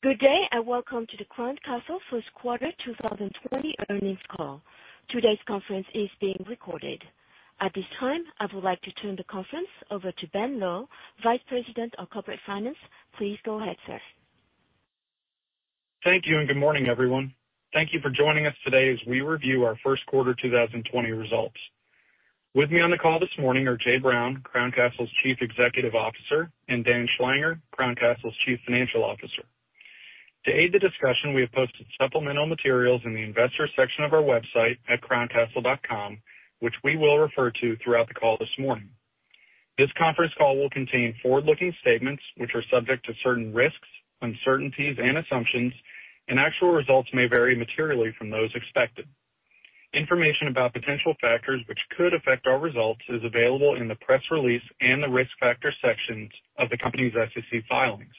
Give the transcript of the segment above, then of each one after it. Good day. Welcome to the Crown Castle first quarter 2020 earnings call. Today's conference is being recorded. At this time, I would like to turn the conference over to Ben Lowe, Vice President of Corporate Finance. Please go ahead, sir. Thank you. Good morning, everyone. Thank you for joining us today as we review our first quarter 2020 results. With me on the call this morning are Jay Brown, Crown Castle's Chief Executive Officer, and Dan Schlanger, Crown Castle's Chief Financial Officer. To aid the discussion, we have posted supplemental materials in the Investors section of our website at crowncastle.com, which we will refer to throughout the call this morning. This conference call will contain forward-looking statements, which are subject to certain risks, uncertainties, and assumptions. Actual results may vary materially from those expected. Information about potential factors which could affect our results is available in the press release and the Risk Factor sections of the company's SEC filings.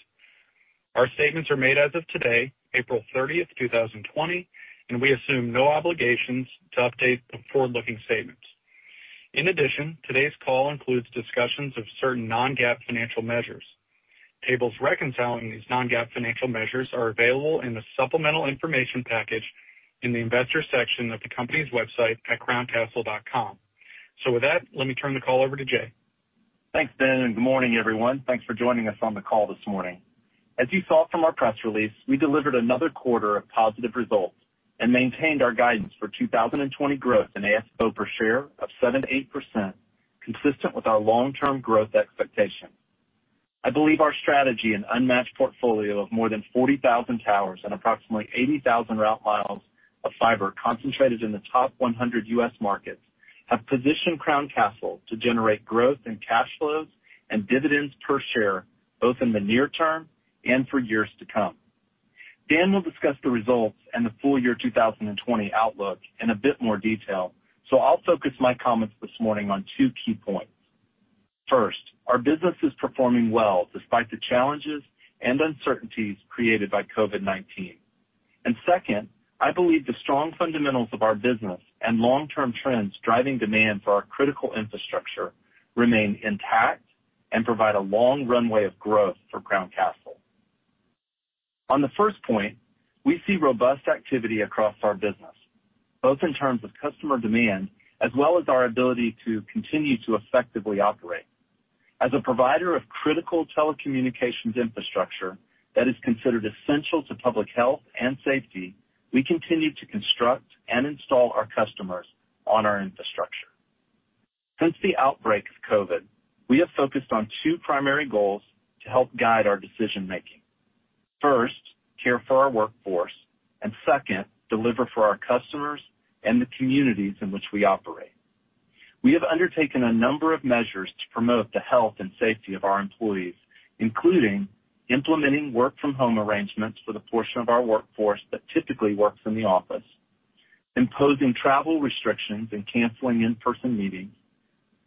Our statements are made as of today, April 30th, 2020. We assume no obligations to update the forward-looking statements. In addition, today's call includes discussions of certain non-GAAP financial measures. Tables reconciling these non-GAAP financial measures are available in the supplemental information package in the Investors section of the company's website at crowncastle.com. With that, let me turn the call over to Jay. Thanks, Ben. Good morning, everyone. Thanks for joining us on the call this morning. As you saw from our press release, we delivered another quarter of positive results and maintained our guidance for 2020 growth in AFFO per share of 7% to 8%, consistent with our long-term growth expectation. I believe our strategy and unmatched portfolio of more than 40,000 towers and approximately 80,000 route miles of fiber concentrated in the top 100 U.S. markets have positioned Crown Castle to generate growth in cash flows and dividends per share, both in the near term and for years to come. Dan will discuss the results and the full year 2020 outlook in a bit more detail, so I'll focus my comments this morning on two key points. First, our business is performing well despite the challenges and uncertainties created by COVID-19. Second, I believe the strong fundamentals of our business and long-term trends driving demand for our critical infrastructure remain intact and provide a long runway of growth for Crown Castle. On the first point, we see robust activity across our business, both in terms of customer demand as well as our ability to continue to effectively operate. As a provider of critical telecommunications infrastructure that is considered essential to public health and safety, we continue to construct and install our customers on our infrastructure. Since the outbreak of COVID, we have focused on two primary goals to help guide our decision-making. First, care for our workforce, and second, deliver for our customers and the communities in which we operate. We have undertaken a number of measures to promote the health and safety of our employees, including implementing work-from-home arrangements for the portion of our workforce that typically works in the office, imposing travel restrictions and canceling in-person meetings,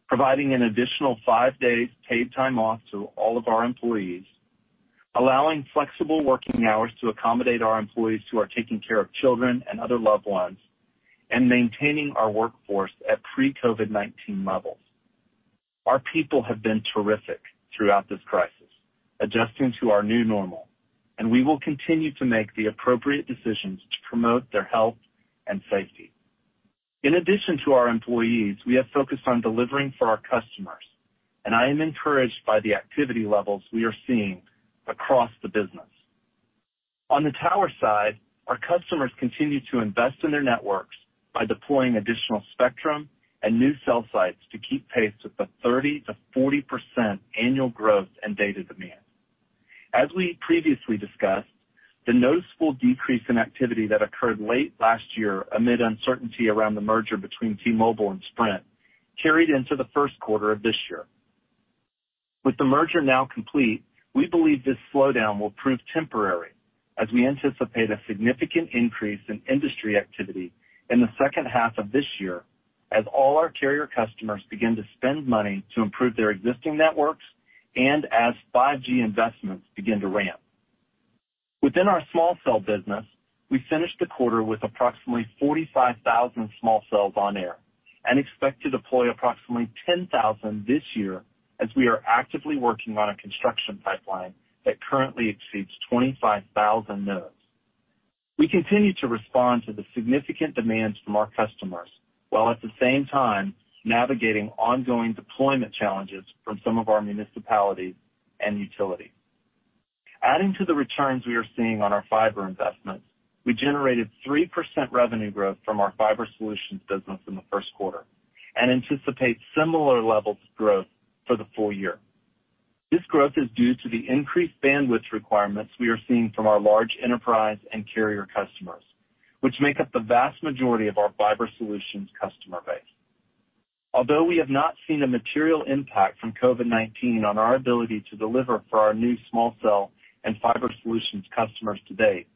providing an additional five days paid time off to all of our employees, allowing flexible working hours to accommodate our employees who are taking care of children and other loved ones, and maintaining our workforce at pre-COVID-19 levels. Our people have been terrific throughout this crisis, adjusting to our new normal, and we will continue to make the appropriate decisions to promote their health and safety. In addition to our employees, we have focused on delivering for our customers, and I am encouraged by the activity levels we are seeing across the business. On the tower side, our customers continue to invest in their networks by deploying additional spectrum and new cell sites to keep pace with the 30%-40% annual growth in data demand. As we previously discussed, the noticeable decrease in activity that occurred late last year amid uncertainty around the merger between T-Mobile and Sprint carried into the first quarter of this year. With the merger now complete, we believe this slowdown will prove temporary as we anticipate a significant increase in industry activity in the second half of this year as all our carrier customers begin to spend money to improve their existing networks and as 5G investments begin to ramp. Within our small cell business, we finished the quarter with approximately 45,000 small cells on air and expect to deploy approximately 10,000 this year as we are actively working on a construction pipeline that currently exceeds 25,000 nodes. We continue to respond to the significant demands from our customers, while at the same time navigating ongoing deployment challenges from some of our municipalities and utilities. Adding to the returns we are seeing on our fiber investments, we generated 3% revenue growth from our fiber solutions business in the first quarter and anticipate similar levels of growth for the full year. This growth is due to the increased bandwidth requirements we are seeing from our large enterprise and carrier customers, which make up the vast majority of our fiber solutions customer base. Although we have not seen a material impact from COVID-19 on our ability to deliver for our new small cell and fiber solutions customers to date,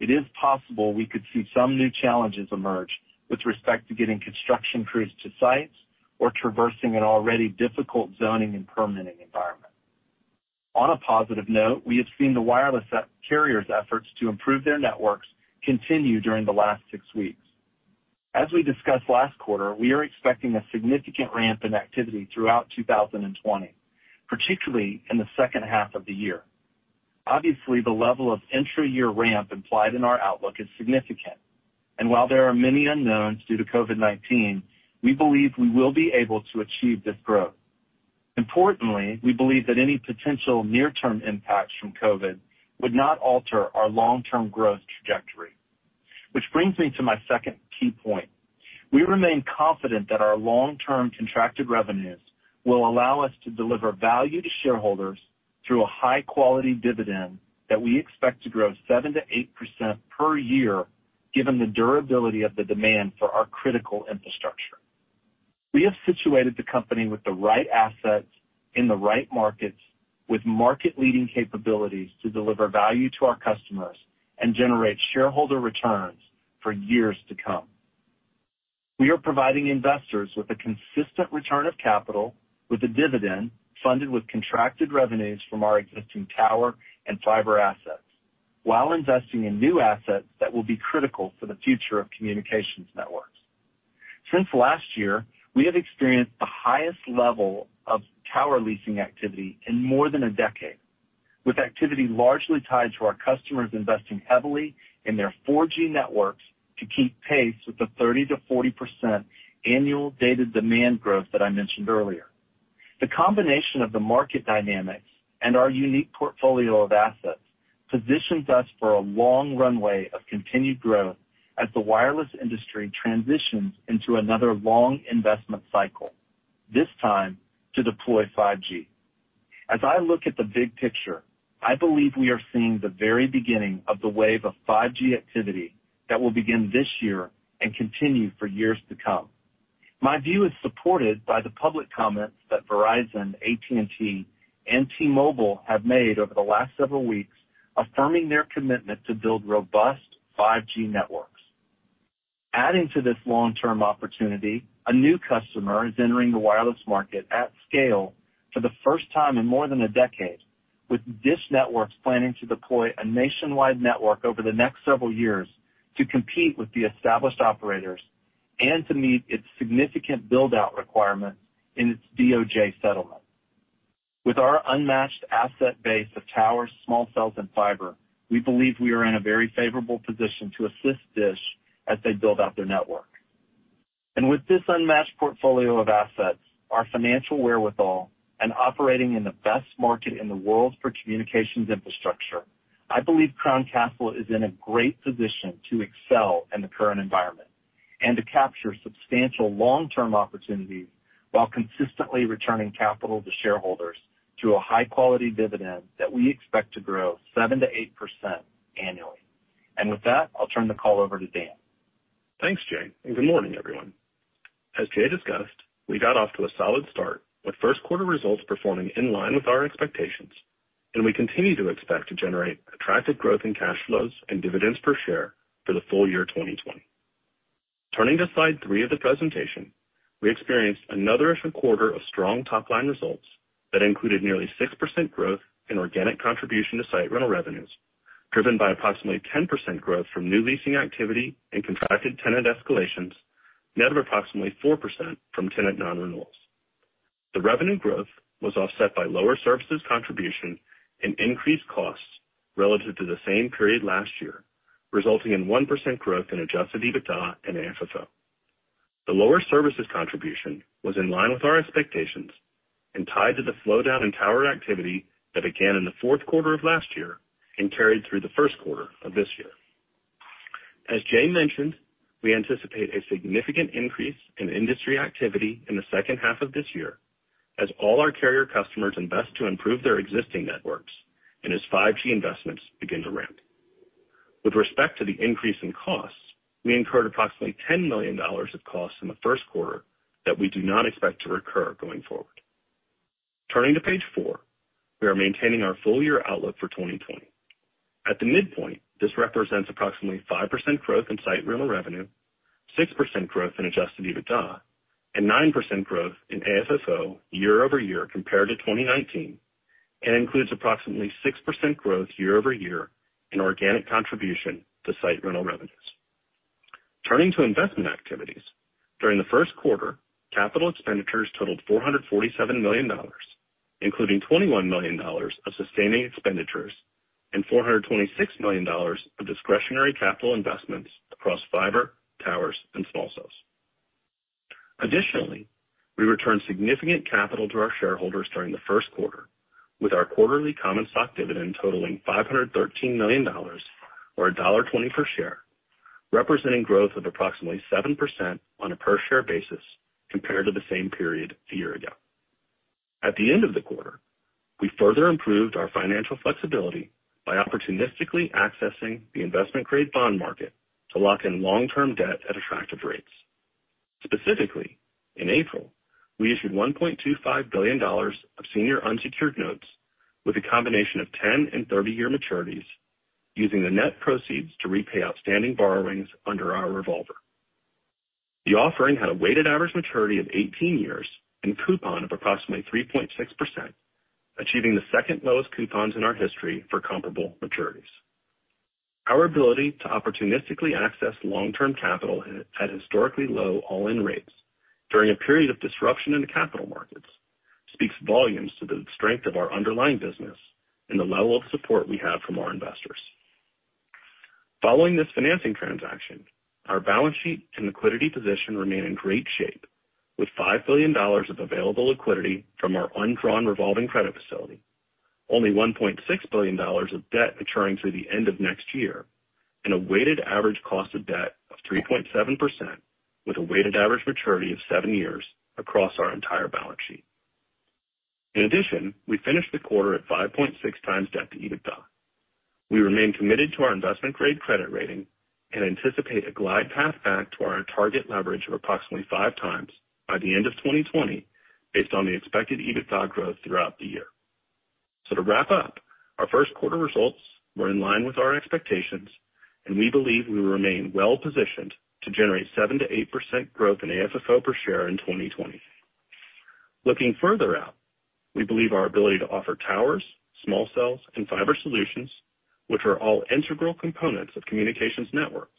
it is possible we could see some new challenges emerge with respect to getting construction crews to sites or traversing an already difficult zoning and permitting environment. On a positive note, we have seen the wireless carriers' efforts to improve their networks continue during the last six weeks. As we discussed last quarter, we are expecting a significant ramp in activity throughout 2020, particularly in the second half of the year. Obviously, the level of intra-year ramp implied in our outlook is significant. While there are many unknowns due to COVID-19, we believe we will be able to achieve this growth. Importantly, we believe that any potential near-term impacts from COVID would not alter our long-term growth trajectory. Which brings me to my second key point. We remain confident that our long-term contracted revenues will allow us to deliver value to shareholders through a high-quality dividend that we expect to grow 7%-8% per year, given the durability of the demand for our critical infrastructure. We have situated the company with the right assets in the right markets, with market-leading capabilities to deliver value to our customers and generate shareholder returns for years to come. We are providing investors with a consistent return of capital with a dividend funded with contracted revenues from our existing tower and fiber assets, while investing in new assets that will be critical for the future of communications networks. Since last year, we have experienced the highest level of tower leasing activity in more than a decade, with activity largely tied to our customers investing heavily in their 4G networks to keep pace with the 30%-40% annual data demand growth that I mentioned earlier. The combination of the market dynamics and our unique portfolio of assets positions us for a long runway of continued growth as the wireless industry transitions into another long investment cycle, this time to deploy 5G. As I look at the big picture, I believe we are seeing the very beginning of the wave of 5G activity that will begin this year and continue for years to come. My view is supported by the public comments that Verizon, AT&T, and T-Mobile have made over the last several weeks, affirming their commitment to build robust 5G networks. Adding to this long-term opportunity, a new customer is entering the wireless market at scale for the first time in more than a decade, with DISH Network planning to deploy a nationwide network over the next several years to compete with the established operators and to meet its significant build-out requirements in its DOJ settlement. With our unmatched asset base of towers, small cells, and fiber, we believe we are in a very favorable position to assist DISH as they build out their network. With this unmatched portfolio of assets, our financial wherewithal, and operating in the best market in the world for communications infrastructure, I believe Crown Castle is in a great position to excel in the current environment and to capture substantial long-term opportunities while consistently returning capital to shareholders through a high-quality dividend that we expect to grow 7%-8% annually. With that, I'll turn the call over to Dan. Thanks, Jay, and good morning, everyone. As Jay discussed, we got off to a solid start with first quarter results performing in line with our expectations, and we continue to expect to generate attractive growth in cash flows and dividends per share for the full year 2020. Turning to slide three of the presentation, we experienced another record quarter of strong top-line results that included nearly 6% growth in organic contribution to site rental revenues, driven by approximately 10% growth from new leasing activity and contracted tenant escalations, net of approximately 4% from tenant non-renewals. The revenue growth was offset by lower services contribution and increased costs relative to the same period last year, resulting in 1% growth in adjusted EBITDA and AFFO. The lower services contribution was in line with our expectations and tied to the slowdown in tower activity that began in the fourth quarter of last year and carried through the first quarter of this year. As Jay mentioned, we anticipate a significant increase in industry activity in the second half of this year as all our carrier customers invest to improve their existing networks and as 5G investments begin to ramp. With respect to the increase in costs, we incurred approximately $10 million of costs in the first quarter that we do not expect to recur going forward. Turning to page four, we are maintaining our full-year outlook for 2020. At the midpoint, this represents approximately 5% growth in site rental revenue, 6% growth in adjusted EBITDA, and 9% growth in AFFO year-over-year compared to 2019, and includes approximately 6% growth year-over-year in organic contribution to site rental revenues. Turning to investment activities, during the first quarter, capital expenditures totaled $447 million, including $21 million of sustaining expenditures and $426 million of discretionary capital investments across fiber, towers, and small cells. Additionally, we returned significant capital to our shareholders during the first quarter with our quarterly common stock dividend totaling $513 million, or $1.20 per share, representing growth of approximately 7% on a per share basis compared to the same period a year ago. At the end of the quarter, we further improved our financial flexibility by opportunistically accessing the investment-grade bond market to lock in long-term debt at attractive rates. Specifically, in April, we issued $1.25 billion of senior unsecured notes with a combination of 10- and 30-year maturities using the net proceeds to repay outstanding borrowings under our revolver. The offering had a weighted average maturity of 18 years and coupon of approximately 3.6%. Achieving the second lowest coupons in our history for comparable maturities. Our ability to opportunistically access long-term capital at historically low all-in rates during a period of disruption in the capital markets speaks volumes to the strength of our underlying business and the level of support we have from our investors. Following this financing transaction, our balance sheet and liquidity position remain in great shape, with $5 billion of available liquidity from our undrawn revolving credit facility, only $1.6 billion of debt maturing through the end of next year, and a weighted average cost of debt of 3.7%, with a weighted average maturity of seven years across our entire balance sheet. In addition, we finished the quarter at 5.6x debt to EBITDA. We remain committed to our investment-grade credit rating and anticipate a glide path back to our target leverage of approximately 5 times by the end of 2020, based on the expected EBITDA growth throughout the year. To wrap up, our first quarter results were in line with our expectations, and we believe we remain well-positioned to generate 7% to 8% growth in AFFO per share in 2020. Looking further out, we believe our ability to offer towers, small cells, and fiber solutions, which are all integral components of communications networks,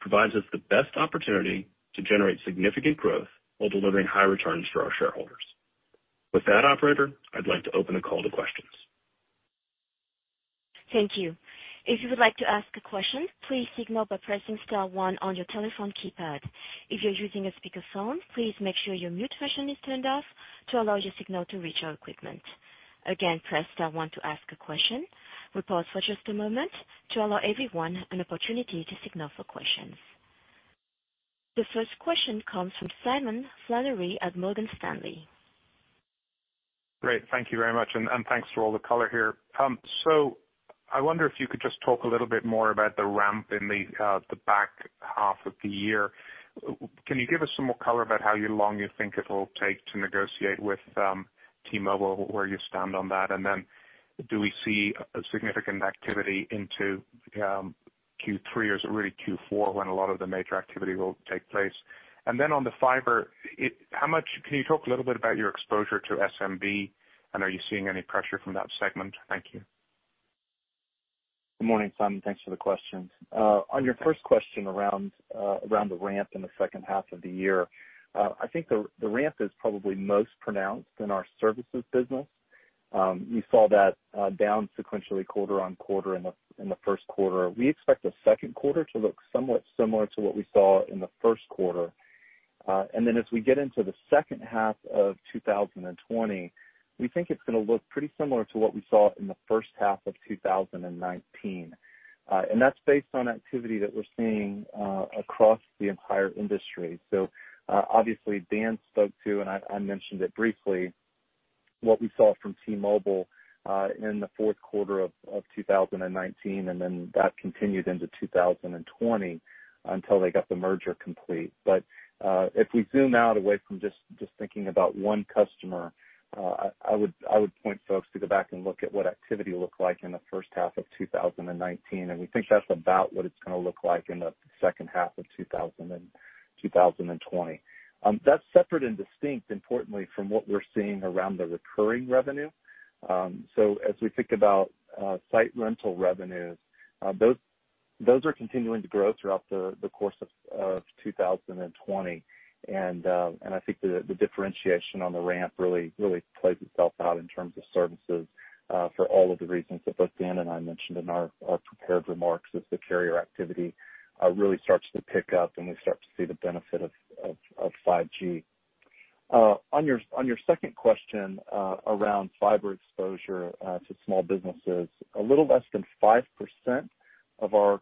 provides us the best opportunity to generate significant growth while delivering high returns for our shareholders. With that, operator, I'd like to open the call to questions. Thank you. If you would like to ask a question, please signal by pressing star 1 on your telephone keypad. If you're using a speakerphone, please make sure your mute function is turned off to allow your signal to reach our equipment. Again, press star 1 to ask a question. We'll pause for just a moment to allow everyone an opportunity to signal for questions. The first question comes from Simon Flannery at Morgan Stanley. Great. Thank you very much, and thanks for all the color here. I wonder if you could just talk a little bit more about the ramp in the back half of the year. Can you give us some more color about how long you think it'll take to negotiate with T-Mobile, where you stand on that? Do we see a significant activity into Q3, or is it really Q4 when a lot of the major activity will take place? On the fiber, can you talk a little bit about your exposure to SMB, and are you seeing any pressure from that segment? Thank you. Good morning, Simon. Thanks for the question. On your first question around the ramp in the second half of the year, I think the ramp is probably most pronounced in our services business. You saw that down sequentially quarter-over-quarter in the first quarter. We expect the second quarter to look somewhat similar to what we saw in the first quarter. As we get into the second half of 2020, we think it's going to look pretty similar to what we saw in the first half of 2019. And that's based on activity that we're seeing across the entire industry. Obviously, Dan spoke to, and I mentioned it briefly, what we saw from T-Mobile in the fourth quarter of 2019, and then that continued into 2020 until they got the merger complete. If we zoom out away from just thinking about one customer, I would point folks to go back and look at what activity looked like in the first half of 2019, and we think that's about what it's going to look like in the second half of 2020. That's separate and distinct, importantly, from what we're seeing around the recurring revenue. As we think about site rental revenues, those are continuing to grow throughout the course of 2020. I think the differentiation on the ramp really plays itself out in terms of services for all of the reasons that both Dan and I mentioned in our prepared remarks as the carrier activity really starts to pick up and we start to see the benefit of 5G. On your second question, around fiber exposure to small businesses, a little less than 5% of our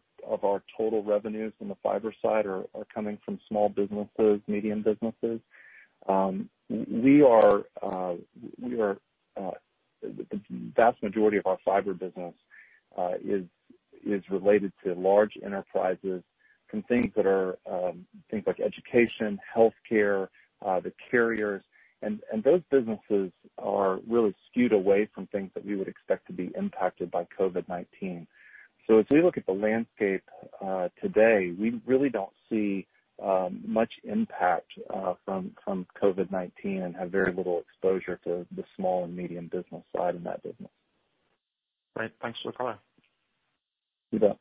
total revenues in the fiber side are coming from small businesses, medium businesses. The vast majority of our fiber business is related to large enterprises from things like education, healthcare, the carriers. Those businesses are really skewed away from things that we would expect to be impacted by COVID-19. As we look at the landscape today, we really don't see much impact from COVID-19 and have very little exposure to the small and medium business side in that business. Great. Thanks for the color. You bet.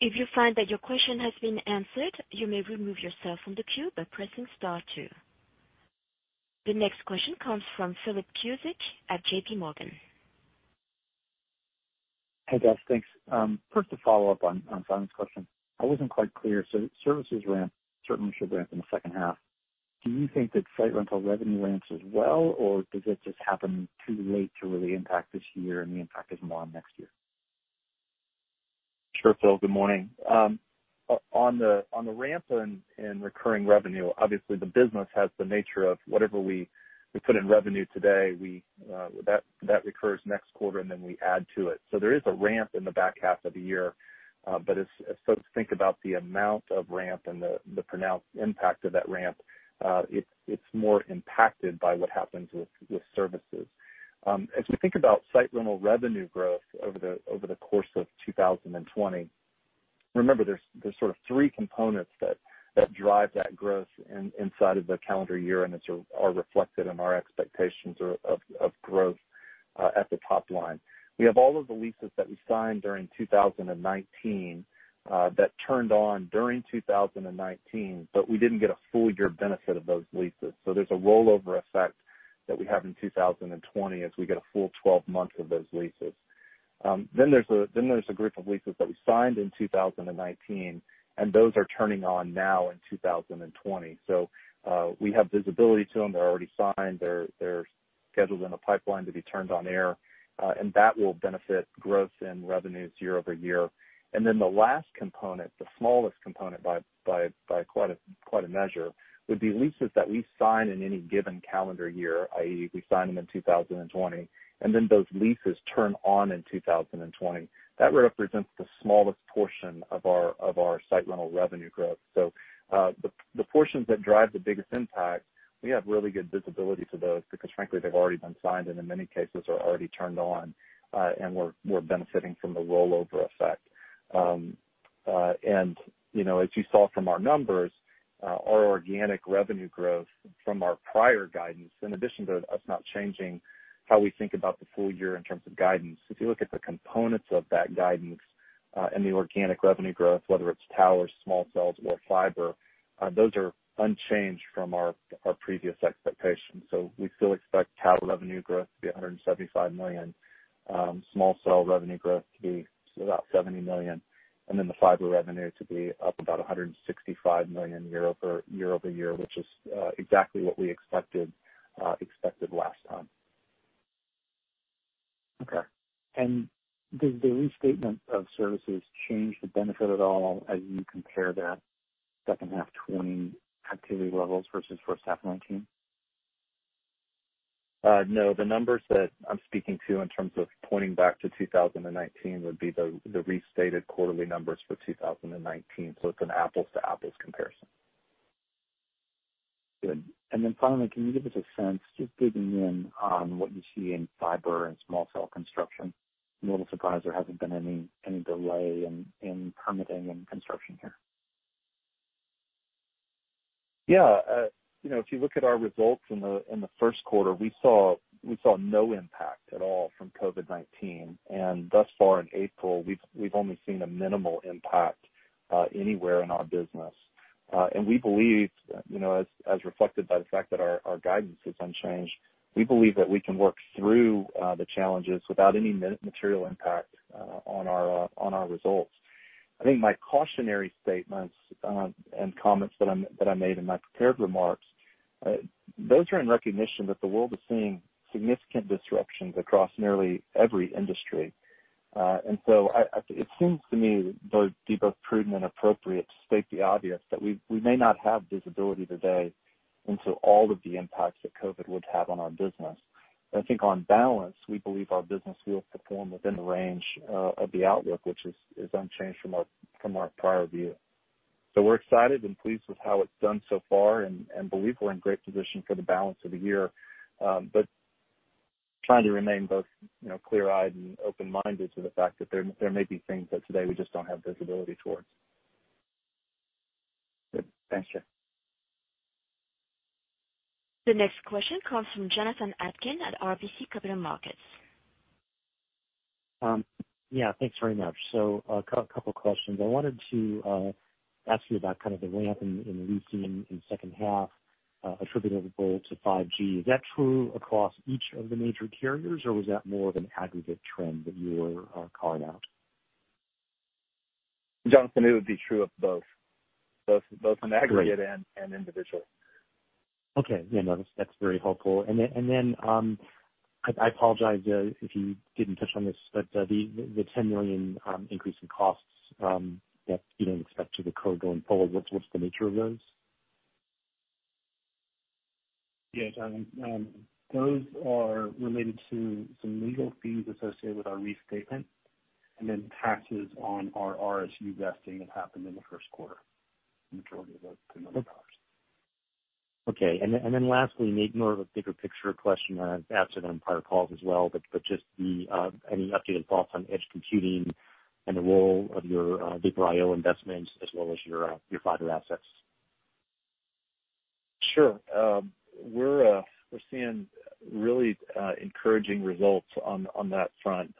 If you find that your question has been answered, you may remove yourself from the queue by pressing star two. The next question comes from Philip Cusick at JPMorgan. Hey, guys. Thanks. To follow up on Simon's question. I wasn't quite clear. Services ramp certainly should ramp in the second half. Do you think that site rental revenue ramps as well, or does it just happen too late to really impact this year and the impact is more on next year? Sure, Phil. Good morning. On the ramp in recurring revenue, obviously the business has the nature of whatever we put in revenue today, that recurs next quarter, and then we add to it. There is a ramp in the back half of the year. As folks think about the amount of ramp and the pronounced impact of that ramp, it's more impacted by what happens with services. As we think about site rental revenue growth over the course of 2020. Remember, there's sort of three components that drive that growth inside of the calendar year, and are reflected in our expectations of growth at the top line. We have all of the leases that we signed during 2019 that turned on during 2019, but we didn't get a full year benefit of those leases. There's a rollover effect that we have in 2020 as we get a full 12 months of those leases. There's a group of leases that we signed in 2019, and those are turning on now in 2020. We have visibility to them. They're already signed. They're scheduled in the pipeline to be turned on air. That will benefit growth in revenues year-over-year. The last component, the smallest component by quite a measure, would be leases that we sign in any given calendar year, i.e., we sign them in 2020, and then those leases turn on in 2020. That represents the smallest portion of our site rental revenue growth. The portions that drive the biggest impact, we have really good visibility to those because frankly, they've already been signed and in many cases are already turned on. We're benefiting from the rollover effect. As you saw from our numbers, our organic revenue growth from our prior guidance, in addition to us not changing how we think about the full year in terms of guidance, if you look at the components of that guidance, and the organic revenue growth, whether it's tower, small cells, or fiber, those are unchanged from our previous expectations. We still expect tower revenue growth to be $175 million, small cell revenue growth to be about $70 million, and then the fiber revenue to be up about $165 million year-over-year, which is exactly what we expected last time. Okay. Did the restatement of services change the benefit at all as you compare that second half 2020 activity levels versus first half 2019? No. The numbers that I'm speaking to in terms of pointing back to 2019 would be the restated quarterly numbers for 2019. It's an apples to apples comparison. Good. Finally, can you give us a sense, just digging in on what you see in fiber and small cell construction? I'm a little surprised there hasn't been any delay in permitting and construction here. If you look at our results in the first quarter, we saw no impact at all from COVID-19. Thus far in April, we've only seen a minimal impact anywhere in our business. We believe, as reflected by the fact that our guidance is unchanged, we believe that we can work through the challenges without any material impact on our results. I think my cautionary statements and comments that I made in my prepared remarks, those are in recognition that the world is seeing significant disruptions across nearly every industry. It seems to me both prudent and appropriate to state the obvious, that we may not have visibility today into all of the impacts that COVID would have on our business. I think on balance, we believe our business will perform within the range of the outlook, which is unchanged from our prior view. We're excited and pleased with how it's done so far and believe we're in great position for the balance of the year, but trying to remain both clear-eyed and open-minded to the fact that there may be things that today we just don't have visibility towards. Good. Thanks, Jay. The next question comes from Jonathan Atkin at RBC Capital Markets. Yeah. Thanks very much. A couple of questions. I wanted to ask you about kind of the ramp in leasing in second half attributable to 5G. Is that true across each of the major carriers, or was that more of an aggregate trend that you were calling out? Jonathan, it would be true of both. Both in aggregate and individually. Okay. Yeah, no, that's very helpful. I apologize if you didn't touch on this, but the $10 million increase in costs that you didn't expect to recur going forward, what's the nature of those? Yes. Those are related to some legal fees associated with our restatement and then taxes on our RSU vesting that happened in the first quarter, majority of those $10 million. Okay. Lastly, maybe more of a bigger picture question I've asked on prior calls as well, but just any updated thoughts on edge computing and the role of your Vapor IO investments as well as your fiber assets? Sure. We're seeing really encouraging results on that front.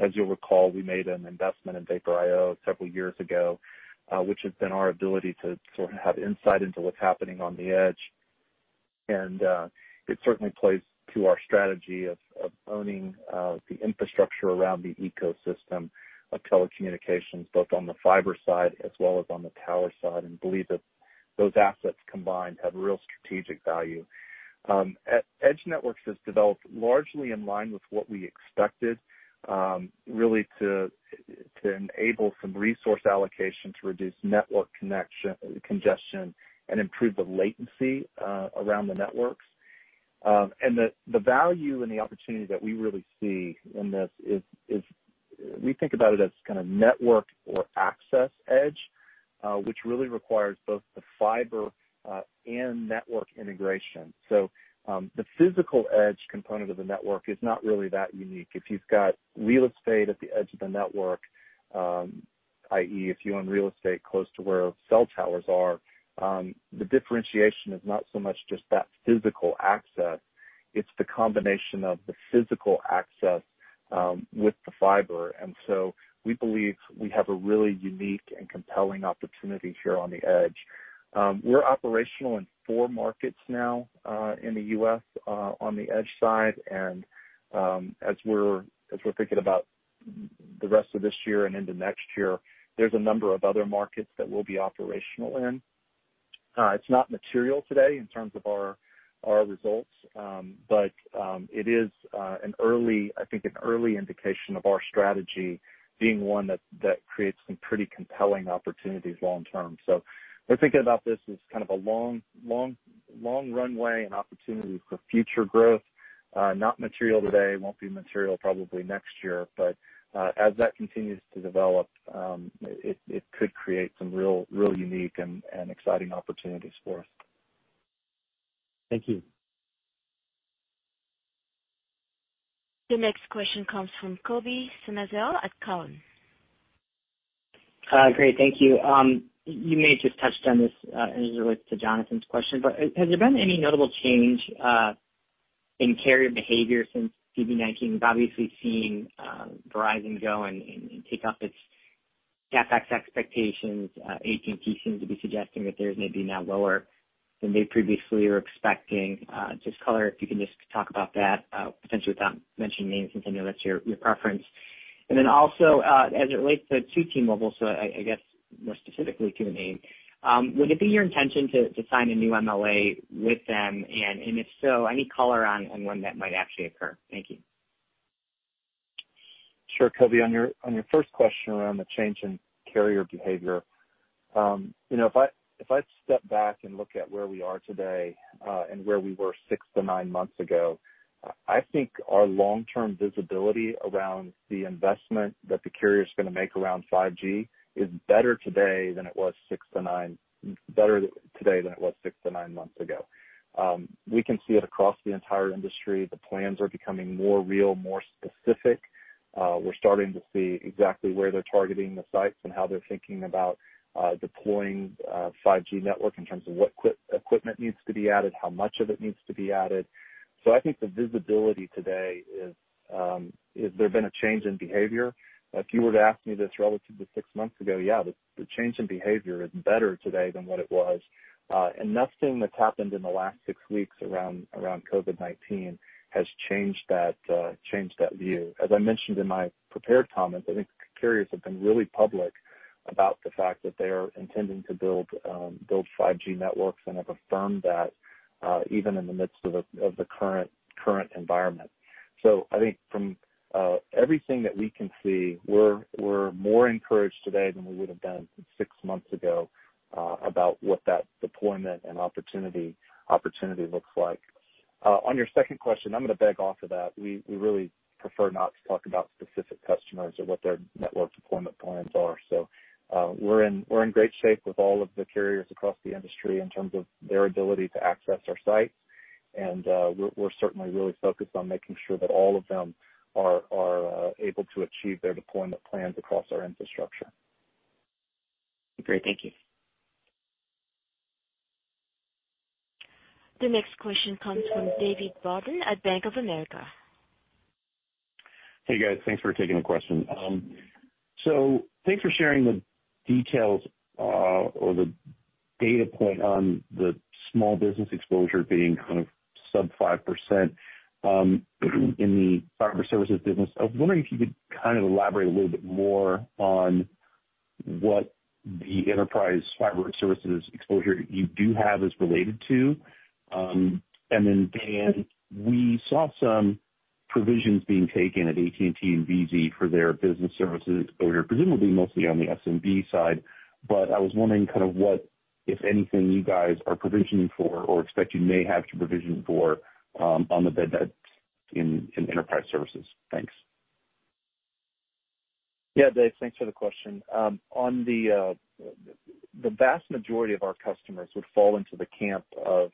As you'll recall, we made an investment in Vapor IO several years ago, which has been our ability to sort of have insight into what's happening on the edge. It certainly plays to our strategy of owning the infrastructure around the ecosystem of telecommunications, both on the fiber side as well as on the tower side, and believe that those assets combined have real strategic value. Edge networks has developed largely in line with what we expected, really to enable some resource allocation to reduce network congestion and improve the latency around the networks. The value and the opportunity that we really see in this is we think about it as kind of network or access edge which really requires both the fiber and network integration. The physical edge component of the network is not really that unique. If you've got real estate at the edge of the network, i.e., if you own real estate close to where cell towers are, the differentiation is not so much just that physical access, it's the combination of the physical access with the fiber. We believe we have a really unique and compelling opportunity here on the edge. We're operational in four markets now in the U.S. on the edge side, and as we're thinking about the rest of this year and into next year, there's a number of other markets that we'll be operational in. It's not material today in terms of our results, but it is I think, an early indication of our strategy being one that creates some pretty compelling opportunities long term. We're thinking about this as kind of a long runway and opportunity for future growth. Not material today, won't be material probably next year, but as that continues to develop, it could create some real unique and exciting opportunities for us. Thank you. The next question comes from Colby Synesael at Cowen. Great. Thank you. You may have just touched on this as it relates to Jonathan's question, has there been any notable change in carrier behavior since COVID-19? We've obviously seen Verizon go and take up its CapEx expectations. AT&T seems to be suggesting that theirs may be now lower than they previously were expecting. Just color, if you can just talk about that, potentially without mentioning names, since I know that's your preference. Then also, as it relates to T-Mobile, so I guess more specifically to a name, would it be your intention to sign a new MLA with them? If so, any color on when that might actually occur? Thank you. Sure, Colby. On your first question around the change in carrier behavior, if I step back and look at where we are today and where we were six to nine months ago, I think our long-term visibility around the investment that the carrier's going to make around 5G is better today than it was six to nine months ago. We can see it across the entire industry. The plans are becoming more real, more specific. We're starting to see exactly where they're targeting the sites and how they're thinking about deploying 5G network in terms of what equipment needs to be added, how much of it needs to be added. I think the visibility today is there's been a change in behavior. If you were to ask me this relative to six months ago, yeah, the change in behavior is better today than what it was. Nothing that's happened in the last six weeks around COVID-19 has changed that view. As I mentioned in my prepared comments, I think carriers have been really public about the fact that they are intending to build 5G networks and have affirmed that even in the midst of the current environment. I think from everything that we can see, we're more encouraged today than we would have been six months ago about what that deployment and opportunity looks like. On your second question, I'm going to beg off of that. We really prefer not to talk about specific customers or what their network deployment plans are. We're in great shape with all of the carriers across the industry in terms of their ability to access our sites. We're certainly really focused on making sure that all of them are able to achieve their deployment plans across our infrastructure. Great. Thank you. The next question comes from David Barden at Bank of America. Hey, guys. Thanks for taking the question. Thanks for sharing the details or the data point on the small business exposure being sub 5% in the fiber services business. I was wondering if you could elaborate a little bit more on what the enterprise fiber services exposure you do have is related to. Dan, we saw some provisions being taken at AT&T and VZ for their business services exposure, presumably mostly on the SMB side. I was wondering what, if anything, you guys are provisioning for or expect you may have to provision for on the bad debt in enterprise services. Thanks. Dave, thanks for the question. The vast majority of our customers would fall into the camp of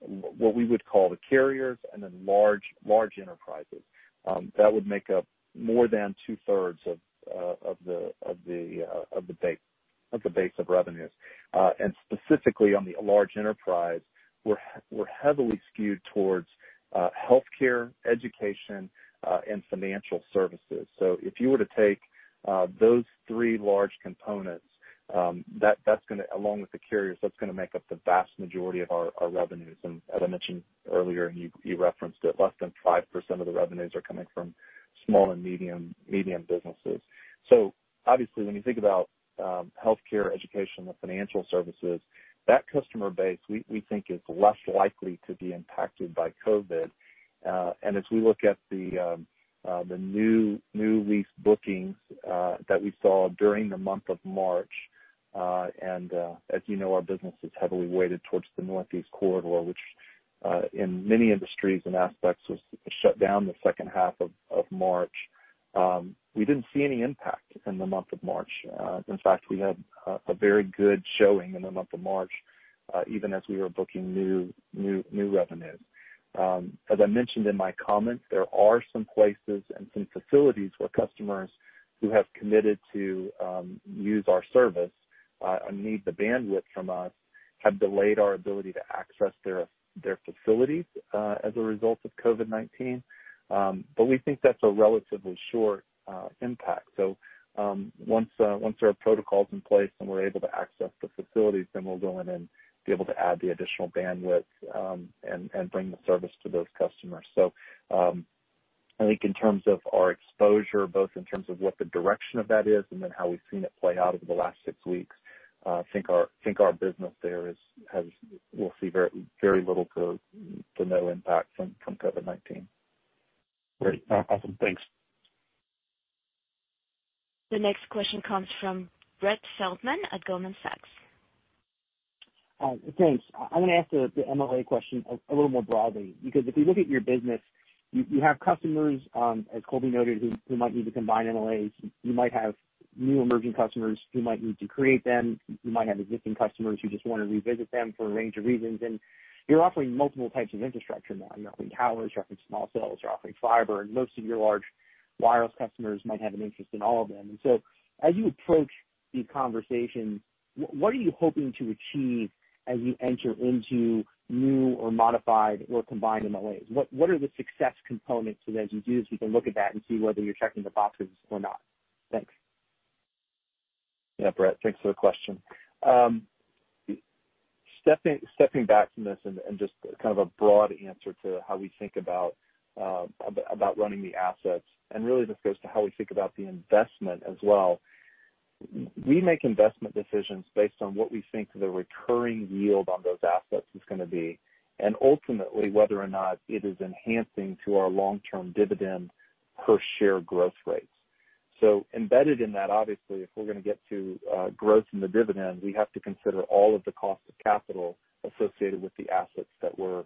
what we would call the carriers and then large enterprises. That would make up more than two-thirds of the base of revenues. Specifically on the large enterprise, we're heavily skewed towards healthcare, education, and financial services. If you were to take those three large components, along with the carriers, that's going to make up the vast majority of our revenues. As I mentioned earlier, and you referenced it, less than 5% of the revenues are coming from small and medium businesses. Obviously, when you think about healthcare, education, or financial services, that customer base, we think, is less likely to be impacted by COVID. As we look at the new lease bookings that we saw during the month of March, as you know, our business is heavily weighted towards the Northeast Corridor, which in many industries and aspects was shut down the second half of March. We didn't see any impact in the month of March. In fact, we had a very good showing in the month of March, even as we were booking new revenue. As I mentioned in my comments, there are some places and some facilities where customers who have committed to use our service, need the bandwidth from us, have delayed our ability to access their facilities as a result of COVID-19. We think that's a relatively short impact. Once there are protocols in place and we're able to access the facilities, then we'll go in and be able to add the additional bandwidth and bring the service to those customers. I think in terms of our exposure, both in terms of what the direction of that is and then how we've seen it play out over the last six weeks, I think our business there will see very little to no impact from COVID-19. Great. Awesome. Thanks. The next question comes from Brett Feldman at Goldman Sachs. Thanks. I want to ask the MLA question a little more broadly, because if you look at your business, you have customers, as Colby noted, who might need to combine MLAs. You might have new emerging customers who might need to create them. You might have existing customers who just want to revisit them for a range of reasons. You're offering multiple types of infrastructure now. You're offering towers, you're offering small cells, you're offering fiber, and most of your large wireless customers might have an interest in all of them. As you approach these conversations, what are you hoping to achieve as you enter into new or modified or combined MLAs? What are the success components so that as you do this, you can look at that and see whether you're checking the boxes or not? Thanks. Yeah, Brett, thanks for the question. Stepping back from this and just kind of a broad answer to how we think about running the assets and really this goes to how we think about the investment as well. We make investment decisions based on what we think the recurring yield on those assets is going to be, and ultimately whether or not it is enhancing to our long-term dividend per share growth rates. Embedded in that, obviously, if we're going to get to growth in the dividend, we have to consider all of the cost of capital associated with the assets that we're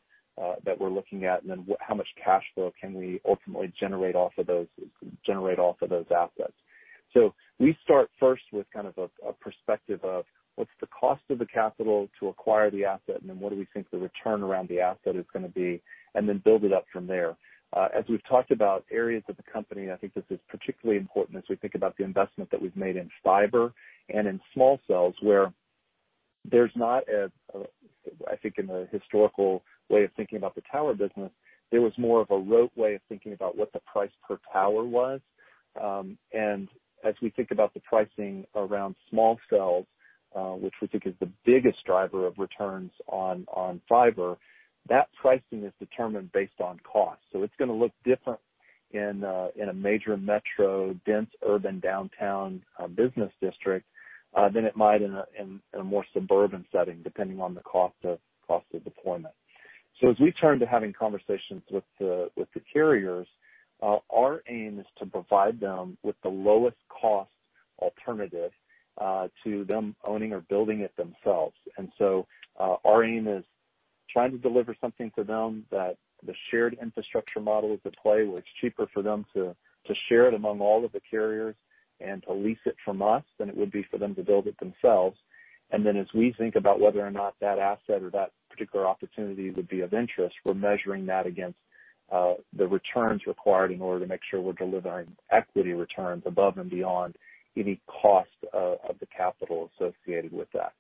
looking at, and then how much cash flow can we ultimately generate off of those assets. We start first with kind of a perspective of what's the cost of the capital to acquire the asset, and then what do we think the return around the asset is going to be, and then build it up from there. As we've talked about areas of the company, I think this is particularly important as we think about the investment that we've made in fiber and in small cells, where there's not, I think in the historical way of thinking about the tower business, there was more of a rote way of thinking about what the price per tower was. As we think about the pricing around small cells, which we think is the biggest driver of returns on fiber, that pricing is determined based on cost. It's going to look different in a major metro, dense urban downtown business district than it might in a more suburban setting, depending on the cost of deployment. As we turn to having conversations with the carriers, our aim is to provide them with the lowest cost alternative, to them owning or building it themselves. Our aim is trying to deliver something to them that the shared infrastructure model is at play, where it's cheaper for them to share it among all of the carriers and to lease it from us than it would be for them to build it themselves. As we think about whether or not that asset or that particular opportunity would be of interest, we're measuring that against the returns required in order to make sure we're delivering equity returns above and beyond any cost of the capital associated with that.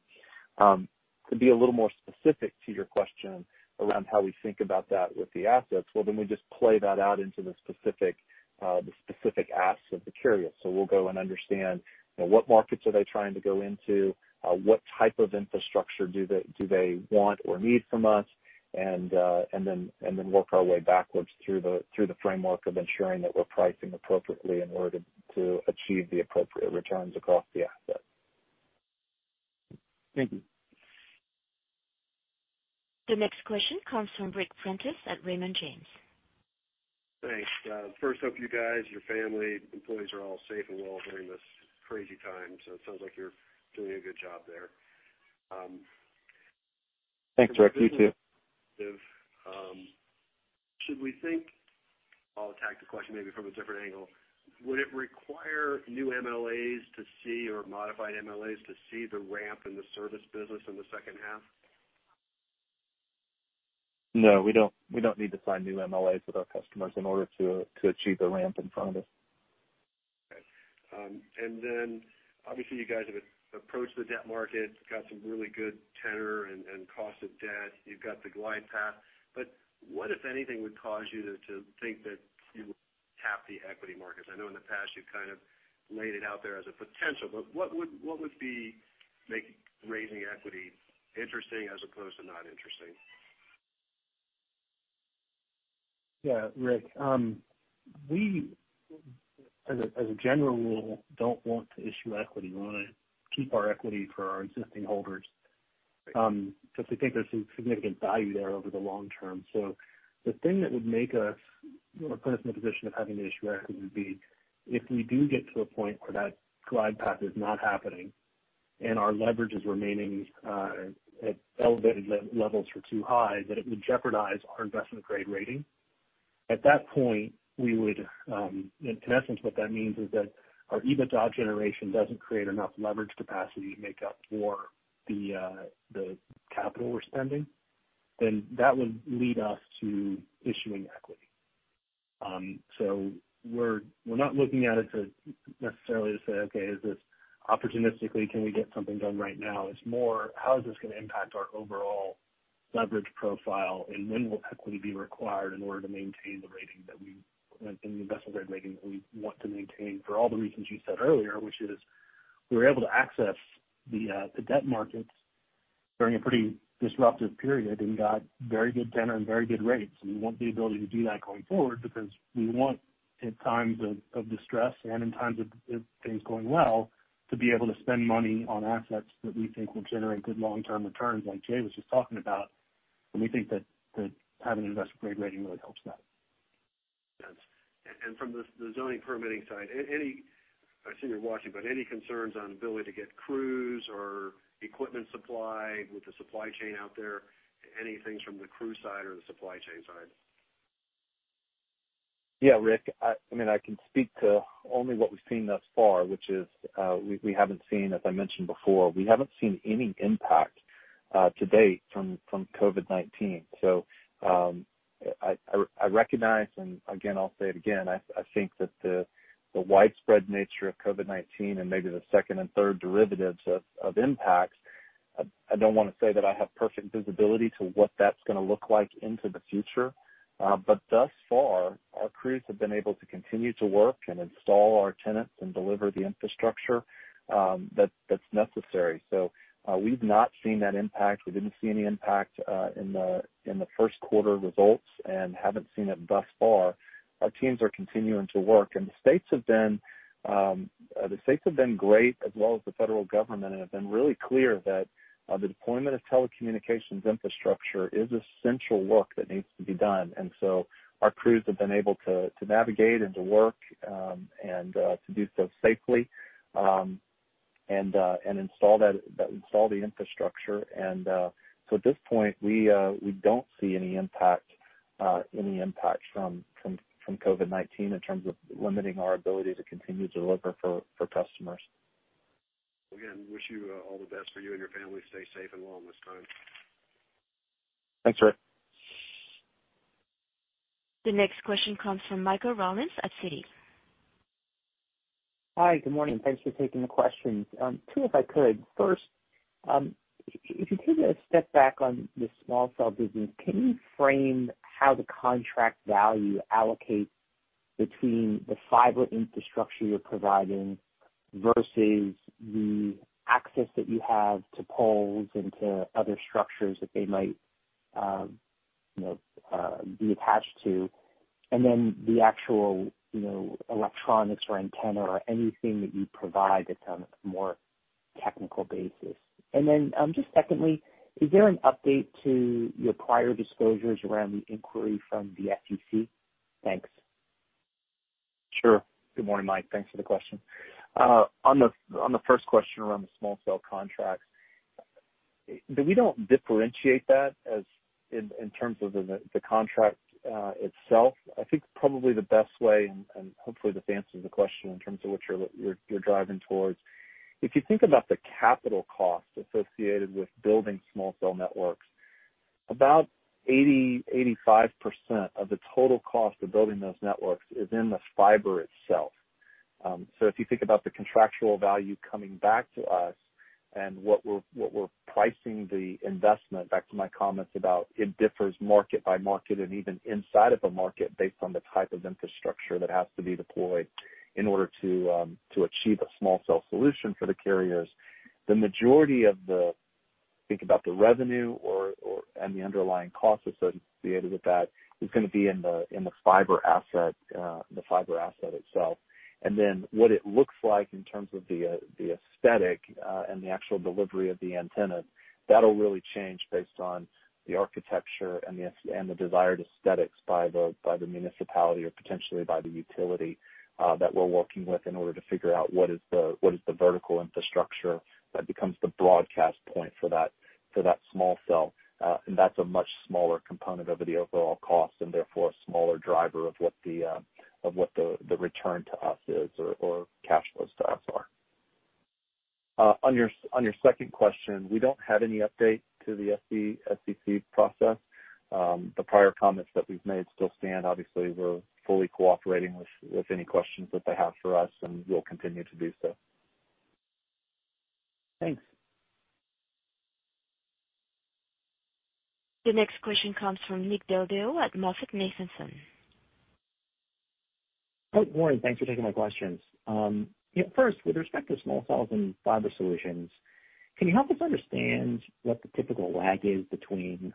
To be a little more specific to your question around how we think about that with the assets, well, then we just play that out into the specific asks of the carrier. We'll go and understand what markets are they trying to go into? What type of infrastructure do they want or need from us? Work our way backwards through the framework of ensuring that we're pricing appropriately in order to achieve the appropriate returns across the asset. Thank you. The next question comes from Ric Prentiss at Raymond James. Thanks. First up, you guys, your family, employees are all safe and well during this crazy time, so it sounds like you're doing a good job there. Thanks, Ric. You, too. I'll attack the question maybe from a different angle. Would it require new MLAs to see or modified MLAs to see the ramp in the service business in the second half? No, we don't need to sign new MLAs with our customers in order to achieve the ramp in front of us. Okay. Obviously you guys have approached the debt markets, got some really good tenor and cost of debt. You've got the glide path. What, if anything, would cause you to think that you would tap the equity markets? I know in the past you kind of laid it out there as a potential, but what would be making raising equity interesting as opposed to not interesting? Yeah, Ric, we as a general rule, don't want to issue equity. We want to keep our equity for our existing holders, because we think there's some significant value there over the long term. The thing that would make us or put us in a position of having to issue equity would be if we do get to a point where that glide path is not happening and our leverage is remaining at elevated levels for too high that it would jeopardize our investment-grade rating. At that point, in essence, what that means is that our EBITDA generation doesn't create enough leverage capacity to make up for the capital we're spending, then that would lead us to issuing equity. We're not looking at it necessarily to say, okay, is this opportunistically, can we get something done right now? It's more, how is this going to impact our overall leverage profile, and when will equity be required in order to maintain the investment-grade rating that we want to maintain for all the reasons you said earlier, which is we were able to access the debt markets during a pretty disruptive period and got very good tenor and very good rates. We want the ability to do that going forward because we want, in times of distress and in times of things going well, to be able to spend money on assets that we think will generate good long-term returns like Jay was just talking about. We think that having an investment-grade rating really helps that. From the zoning permitting side, I assume you're watching, but any concerns on ability to get crews or equipment supply with the supply chain out there? Any things from the crew side or the supply chain side? Yeah, Ric, I can speak to only what we've seen thus far, which is we haven't seen, as I mentioned before, we haven't seen any impact to date from COVID-19. I recognize, and again, I'll say it again, I think that the widespread nature of COVID-19 and maybe the second and third derivatives of impacts, I don't want to say that I have perfect visibility to what that's going to look like into the future. Thus far, our crews have been able to continue to work and install our tenants and deliver the infrastructure that's necessary. We've not seen that impact. We didn't see any impact in the first quarter results and haven't seen it thus far. Our teams are continuing to work, and the states have been great, as well as the federal government, and have been really clear that the deployment of telecommunications infrastructure is essential work that needs to be done. Our crews have been able to navigate and to work and to do so safely and install the infrastructure. At this point, we don't see any impact from COVID-19 in terms of limiting our ability to continue to deliver for customers. Again, wish you all the best for you and your family. Stay safe and well in this time. Thanks, Ric. The next question comes from Michael Rollins at Citi. Hi, good morning. Thanks for taking the questions. Two, if I could. First, if you take a step back on the small cell business, can you frame how the contract value allocates between the fiber infrastructure you're providing versus the access that you have to poles and to other structures that they might be attached to? The actual electronics or antenna or anything that you provide that's on a more technical basis. Just secondly, is there an update to your prior disclosures around the inquiry from the FCC? Thanks. Sure. Good morning, Mike. Thanks for the question. On the first question around the small cell contracts, we don't differentiate that in terms of the contract itself. I think probably the best way, and hopefully this answers the question in terms of what you're driving towards. If you think about the capital cost associated with building small cell networks, about 80%, 85% of the total cost of building those networks is in the fiber itself. If you think about the contractual value coming back to us and what we're pricing the investment, back to my comments about it differs market by market and even inside of a market based on the type of infrastructure that has to be deployed in order to achieve a small cell solution for the carriers. The majority of the, think about the revenue and the underlying cost associated with that is going to be in the fiber asset itself. Then what it looks like in terms of the aesthetic and the actual delivery of the antenna, that'll really change based on the architecture and the desired aesthetics by the municipality or potentially by the utility that we're working with in order to figure out what is the vertical infrastructure that becomes the broadcast point for that small cell. That's a much smaller component of the overall cost and therefore a smaller driver of what the return to us is or cash flows to us are. On your second question, we don't have any update to the FCC process. The prior comments that we've made still stand. Obviously, we're fully cooperating with any questions that they have for us, and we'll continue to do so. Thanks. The next question comes from Nick Del Deo at MoffettNathanson. Good morning. Thanks for taking my questions. First, with respect to small cells and fiber solutions, can you help us understand what the typical lag is between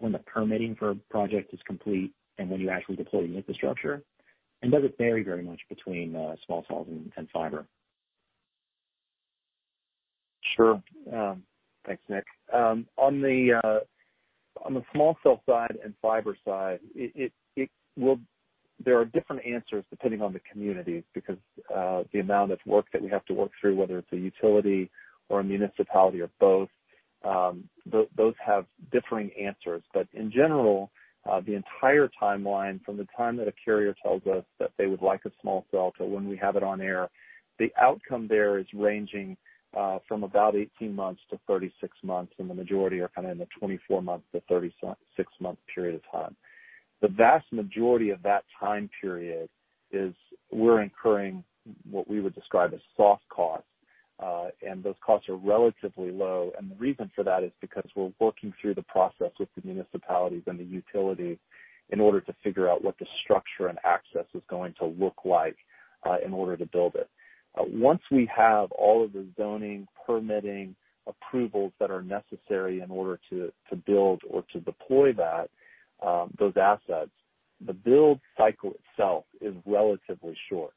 when the permitting for a project is complete and when you actually deploy the infrastructure? Does it vary very much between small cells and fiber? Sure. Thanks, Nick. On the small cell side and fiber side, there are different answers depending on the communities, because the amount of work that we have to work through, whether it's a utility or a municipality or both, those have differing answers. In general, the entire timeline from the time that a carrier tells us that they would like a small cell to when we have it on air, the outcome there is ranging from about 18 months to 36 months, and the majority are in the 24-month to 36-month period of time. The vast majority of that time period is we're incurring what we would describe as soft costs, and those costs are relatively low. The reason for that is because we're working through the process with the municipalities and the utilities in order to figure out what the structure and access is going to look like in order to build it. Once we have all of the zoning, permitting approvals that are necessary in order to build or to deploy those assets, the build cycle itself is relatively short.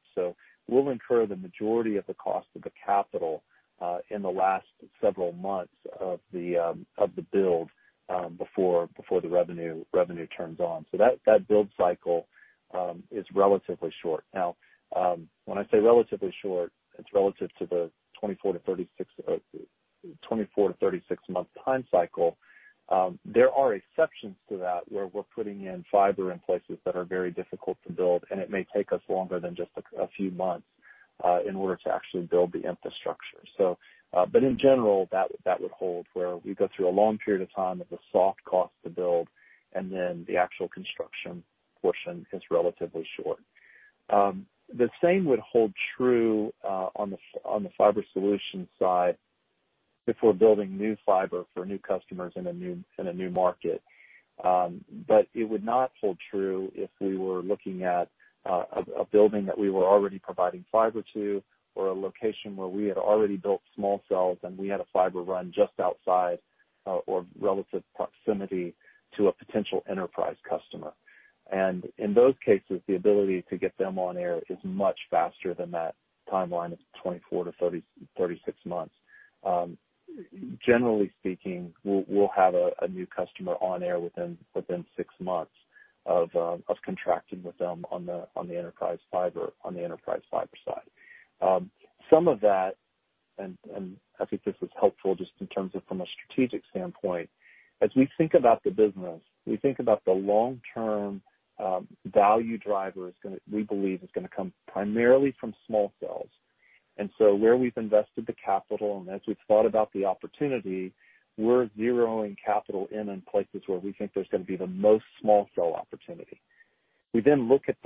We'll incur the majority of the cost of the capital in the last several months of the build before the revenue turns on. That build cycle is relatively short. When I say relatively short, it's relative to the 24 to 36-month time cycle. There are exceptions to that, where we're putting in fiber in places that are very difficult to build, and it may take us longer than just a few months in order to actually build the infrastructure. In general, that would hold where we go through a long period of time of the soft cost to build, and then the actual construction portion is relatively short. The same would hold true on the fiber solution side if we're building new fiber for new customers in a new market. It would not hold true if we were looking at a building that we were already providing fiber to or a location where we had already built small cells and we had a fiber run just outside or relative proximity to a potential enterprise customer. In those cases, the ability to get them on air is much faster than that timeline of 24-36 months. Generally speaking, we'll have a new customer on air within six months of contracting with them on the enterprise fiber side. Some of that, I think this is helpful just in terms of from a strategic standpoint, as we think about the business, we think about the long-term value driver we believe is going to come primarily from small cells. Where we've invested the capital, as we've thought about the opportunity, we're zeroing capital in on places where we think there's going to be the most small cell opportunity. We look at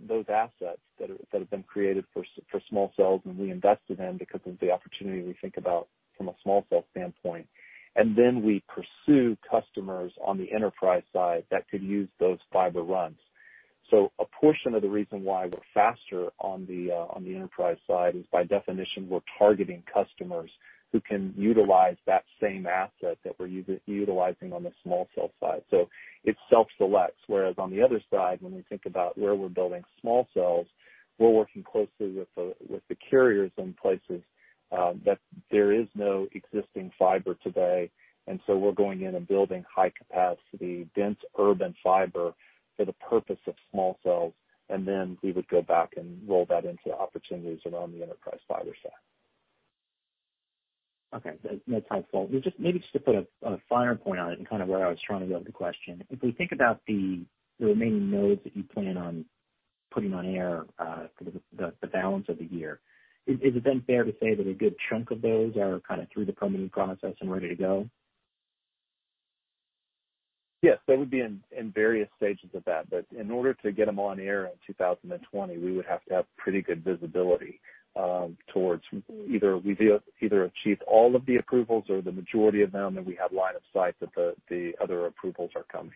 those assets that have been created for small cells, we invest in them because of the opportunity we think about from a small cell standpoint, we pursue customers on the enterprise side that could use those fiber runs. A portion of the reason why we're faster on the enterprise side is by definition, we're targeting customers who can utilize that same asset that we're utilizing on the small cell side. It self-selects. Whereas on the other side, when we think about where we're building small cells, we're working closely with the carriers in places that there is no existing fiber today, and so we're going in and building high-capacity, dense urban fiber for the purpose of small cells, and then we would go back and roll that into opportunities around the enterprise fiber side. Okay. No time fault. Maybe just to put a finer point on it and kind of where I was trying to go with the question. If we think about the remaining nodes that you plan on putting on air for the balance of the year, is it then fair to say that a good chunk of those are through the permitting process and ready to go? Yes, they would be in various stages of that. In order to get them on air in 2020, we would have to have pretty good visibility towards we've either achieved all of the approvals or the majority of them, and we have line of sight that the other approvals are coming.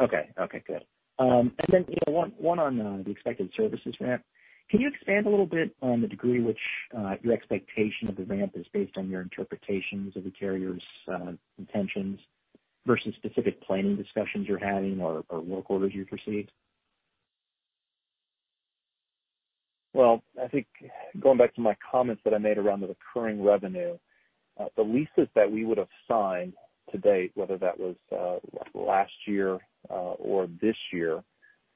Okay, good. One on the expected services ramp. Can you expand a little bit on the degree which your expectation of the ramp is based on your interpretations of the carrier's intentions versus specific planning discussions you're having or work orders you've received? I think going back to my comments that I made around the recurring revenue, the leases that we would have signed to date, whether that was last year or this year,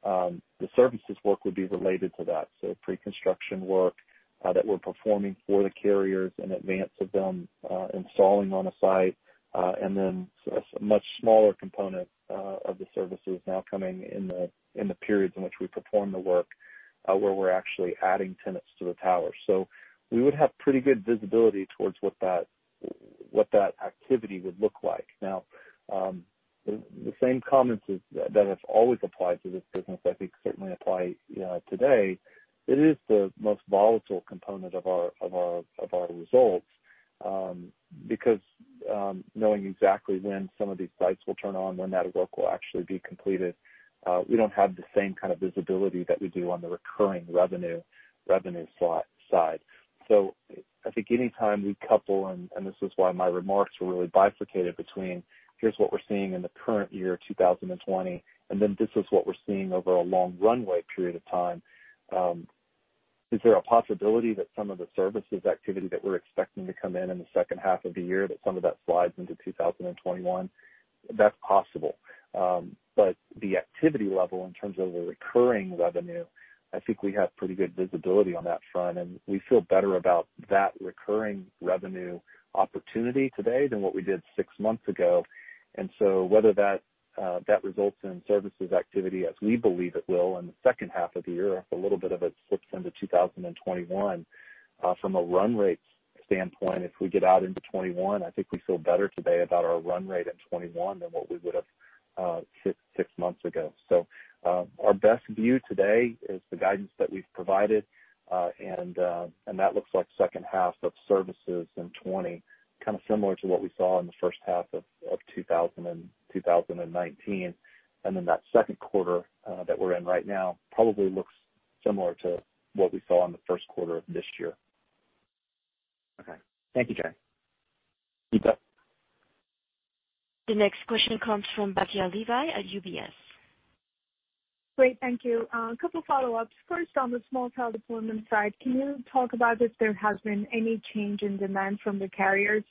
the services work would be related to that. Pre-construction work that we're performing for the carriers in advance of them installing on a site, and then a much smaller component of the services now coming in the periods in which we perform the work where we're actually adding tenants to the tower. We would have pretty good visibility towards what that activity would look like. The same comments that have always applied to this business, I think certainly apply today. It is the most volatile component of our results, because knowing exactly when some of these sites will turn on, when that work will actually be completed, we don't have the same kind of visibility that we do on the recurring revenue side. I think any time we couple, and this is why my remarks were really bifurcated between here's what we're seeing in the current year 2020, and then this is what we're seeing over a long runway period of time. Is there a possibility that some of the services activity that we're expecting to come in in the second half of the year, that some of that slides into 2021? That's possible. The activity level in terms of the recurring revenue, I think we have pretty good visibility on that front, and we feel better about that recurring revenue opportunity today than what we did six months ago. Whether that results in services activity as we believe it will in the second half of the year, if a little bit of it slips into 2021, from a run rate standpoint, if we get out into 2021, I think we feel better today about our run rate at 2021 than what we would've six months ago. Our best view today is the guidance that we've provided, and that looks like second half of services in 2020, kind of similar to what we saw in the first half of 2019. That second quarter, that we're in right now probably looks similar to what we saw in the first quarter of this year. Okay. Thank you, Jay. You bet. The next question comes from Batya at UBS. Great. Thank you. A couple follow-ups. First, on the small cell deployment side, can you talk about if there has been any change in demand from the carriers?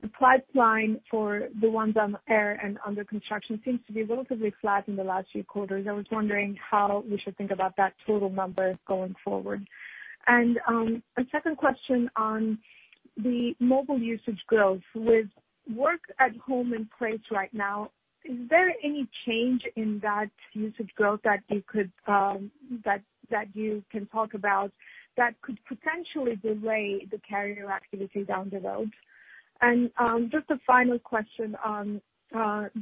The pipeline for the ones on air and under construction seems to be relatively flat in the last few quarters. I was wondering how we should think about that total number going forward. A second question on the mobile usage growth. With work at home in place right now, is there any change in that usage growth that you can talk about that could potentially delay the carrier activity down the road? Just a final question on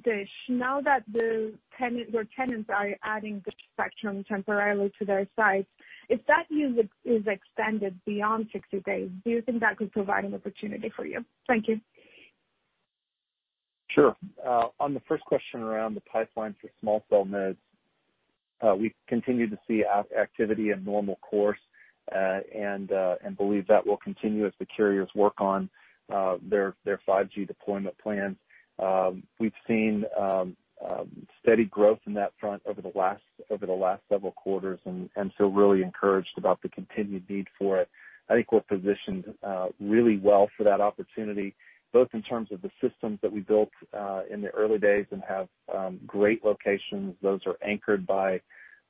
DISH. Now that your tenants are adding DISH spectrum temporarily to their sites, if that usage is extended beyond 60 days, do you think that could provide an opportunity for you? Thank you. Sure. On the first question around the pipeline for small cell nodes, we continue to see activity in normal course. We believe that will continue as the carriers work on their 5G deployment plans. We've seen steady growth in that front over the last several quarters. We feel really encouraged about the continued need for it. I think we're positioned really well for that opportunity, both in terms of the systems that we built in the early days and have great locations. Those are anchored by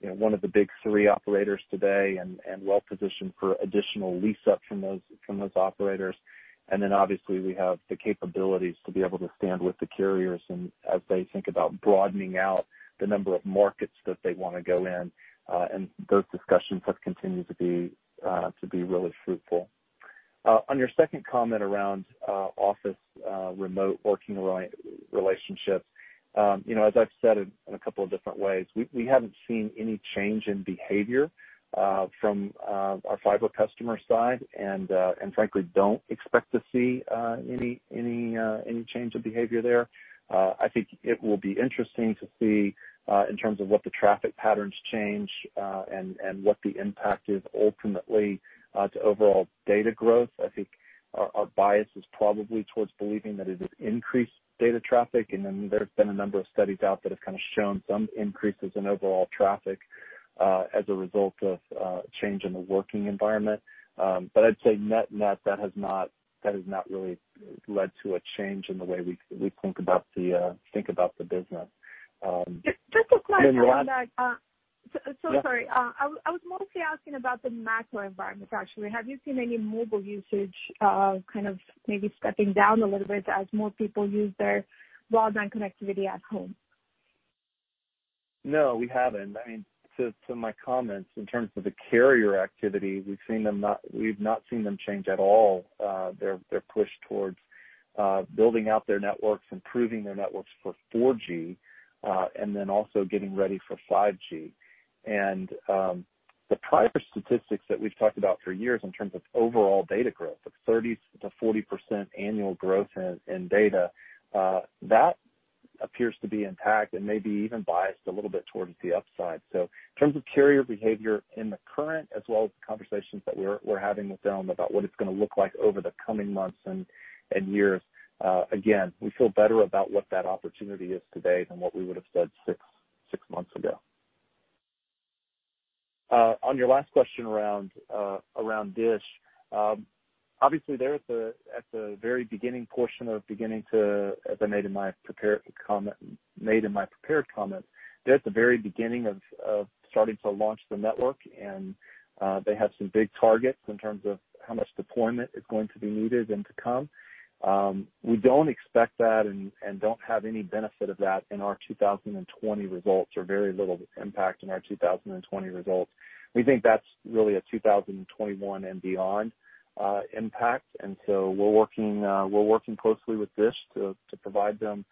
one of the big three operators today and well-positioned for additional lease-up from those operators. Obviously we have the capabilities to be able to stand with the carriers and as they think about broadening out the number of markets that they want to go in. Those discussions have continued to be really fruitful. On your second comment around office remote working relationships, as I've said in a couple of different ways, we haven't seen any change in behavior from our fiber customer side and frankly don't expect to see any change of behavior there. I think it will be interesting to see in terms of what the traffic patterns change, and what the impact is ultimately to overall data growth. I think our bias is probably towards believing that it has increased data traffic, and then there's been a number of studies out that have kind of shown some increases in overall traffic as a result of change in the working environment. I'd say net that has not really led to a change in the way we think about the business. Just a question around that. Yeah. Sorry. I was mostly asking about the macro environment, actually. Have you seen any mobile usage kind of maybe stepping down a little bit as more people use their broadband connectivity at home? No, we haven't. To my comments in terms of the carrier activity, we've not seen them change at all their push towards building out their networks, improving their networks for 4G, then also getting ready for 5G. The prior statistics that we've talked about for years in terms of overall data growth of 30%-40% annual growth in data, that appears to be intact and maybe even biased a little bit towards the upside. In terms of carrier behavior in the current, as well as conversations that we're having with them about what it's going to look like over the coming months and years, again, we feel better about what that opportunity is today than what we would've said six months ago. On your last question around DISH. Obviously they're at the very beginning portion of beginning to, as I made in my prepared comment, they're at the very beginning of starting to launch the network. They have some big targets in terms of how much deployment is going to be needed and to come. We don't expect that and don't have any benefit of that in our 2020 results or very little impact in our 2020 results. We think that's really a 2021 and beyond impact. We're working closely with DISH to provide them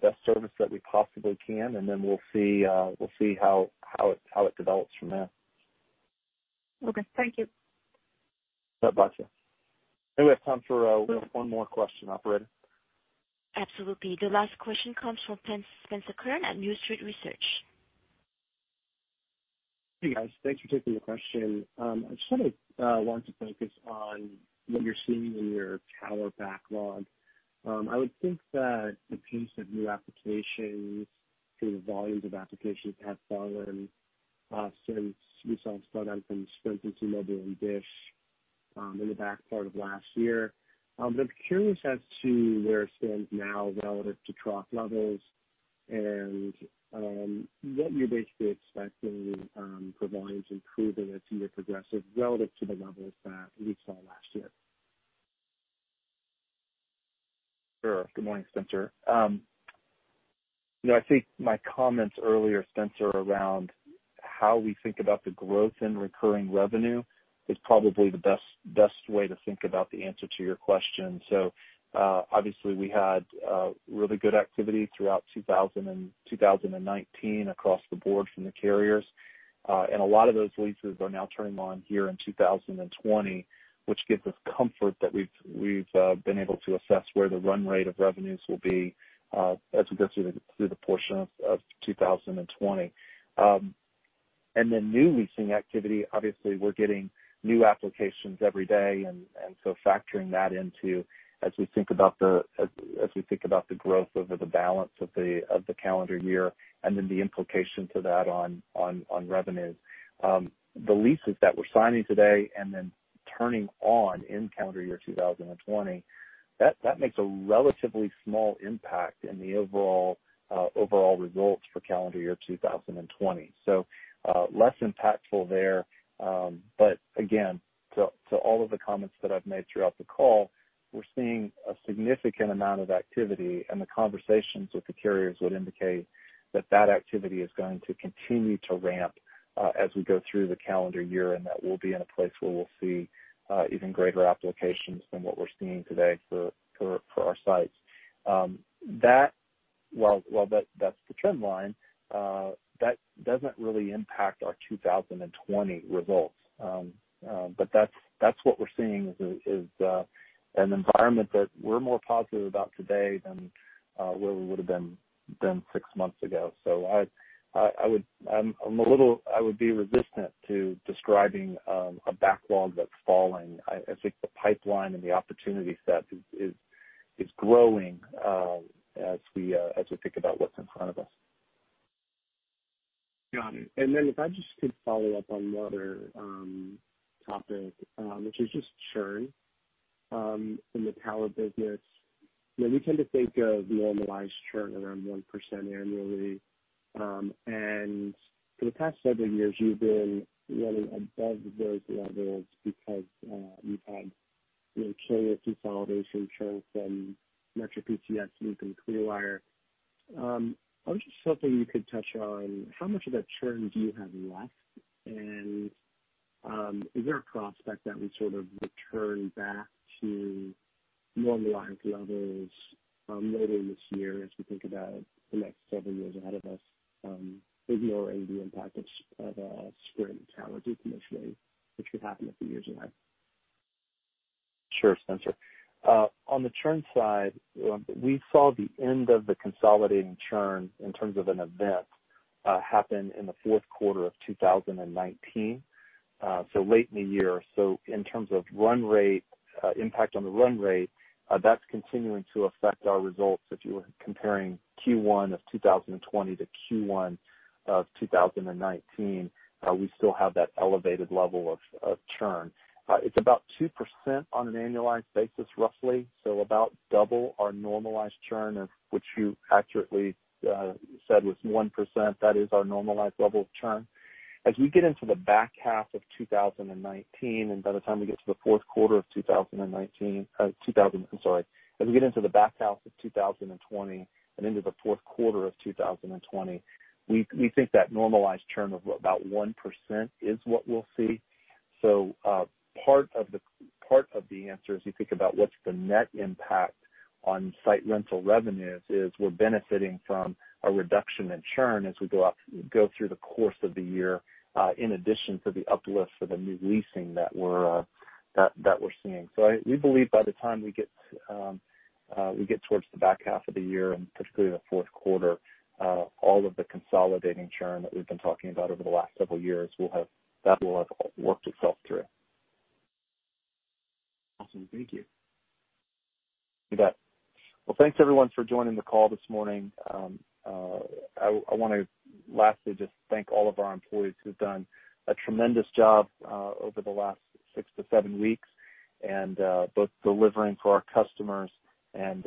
best service that we possibly can. We'll see how it develops from there. Okay. Thank you. Bye, Batya. We have time for one more question, operator. Absolutely. The last question comes from Spencer Kurn at New Street Research. Hey, guys. Thanks for taking the question. I just sort of want to focus on what you're seeing in your tower backlog. I would think that the pace of new applications through the volumes of applications have fallen since we saw slowdown from Sprint and T-Mobile and DISH in the back part of last year. I'm curious as to where it stands now relative to trough levels and what you're basically expecting for volumes improving as we progress relative to the levels that we saw last year. Sure. Good morning, Spencer. I think my comments earlier, Spencer, around how we think about the growth in recurring revenue is probably the best way to think about the answer to your question. Obviously we had really good activity throughout 2019 across the board from the carriers. A lot of those leases are now turning on here in 2020, which gives us comfort that we've been able to assess where the run rate of revenues will be, as we go through the portion of 2020. New leasing activity, obviously, we're getting new applications every day. Factoring that into as we think about the growth over the balance of the calendar year, and then the implication to that on revenues. The leases that we're signing today and then turning on in calendar year 2020, that makes a relatively small impact in the overall results for calendar year 2020. less impactful there. But again, to all of the comments that I've made throughout the call, we're seeing a significant amount of activity, and the conversations with the carriers would indicate that activity is going to continue to ramp, as we go through the calendar year, and that we'll be in a place where we'll see even greater applications than what we're seeing today for our sites. While that's the trend line, that doesn't really impact our 2020 results. But that's what we're seeing is an environment that we're more positive about today than where we would've been six months ago. I would be resistant to describing a backlog that's falling. I think the pipeline and the opportunity set is growing, as we think about what's in front of us. Got it. Then if I just could follow up on one other topic, which is just churn, in the tower business. We tend to think of normalized churn around 1% annually. For the past several years, you've been running above those levels because, you've had carrier consolidation churn from MetroPCS, Leap and Clearwire. I was just hoping you could touch on how much of that churn do you have left. Is there a prospect that we sort of return back to normalized levels, later this year as we think about the next several years ahead of us, maybe or maybe impact of a Sprint tower decommission rate, which could happen a few years ahead? Sure, Spencer. On the churn side, we saw the end of the consolidating churn in terms of an event, happen in the fourth quarter of 2019, late in the year. In terms of impact on the run rate, that's continuing to affect our results. If you were comparing Q1 of 2020 to Q1 of 2019, we still have that elevated level of churn. It's about 2% on an annualized basis, roughly. About double our normalized churn of which you accurately said was 1%. That is our normalized level of churn. As we get into the back half of 2019, and by the time we get to the fourth quarter of 2019— I'm sorry, as we get into the back half of 2020 and into the fourth quarter of 2020, we think that normalized churn of about 1% is what we'll see. Part of the answer as you think about what's the net impact on site rental revenues is we're benefiting from a reduction in churn as we go through the course of the year, in addition to the uplift for the new leasing that we're seeing. We believe by the time we get towards the back half of the year, and particularly the fourth quarter, all of the consolidating churn that we've been talking about over the last several years, that will have worked itself through. Awesome. Thank you. You bet. Well, thanks everyone for joining the call this morning. I want to lastly just thank all of our employees who've done a tremendous job over the last six to seven weeks and both delivering for our customers and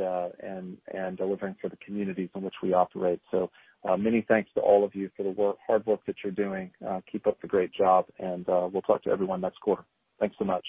delivering for the communities in which we operate. Many thanks to all of you for the hard work that you're doing. Keep up the great job and we'll talk to everyone next quarter. Thanks so much.